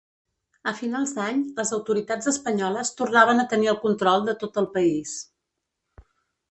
A finals d'any les autoritats espanyoles tornaven a tenir el control de tot el país.